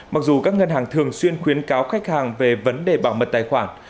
mặc dù các ngân hàng thường xuyên khuyến cáo khách hàng về vấn đề bảo mật tài khoản